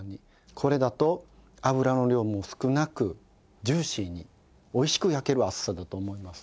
これだと油の量も少なくジューシーにおいしく焼ける厚さだと思います。